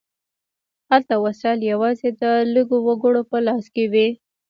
هلته وسایل یوازې د لږو وګړو په لاس کې وي.